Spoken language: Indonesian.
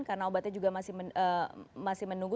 karena obatnya juga masih menunggu